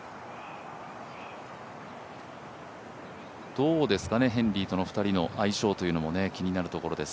どうですかね、ヘンリーとの２人の相性も気になるところです。